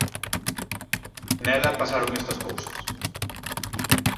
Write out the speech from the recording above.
Nela pasaron estas cousas.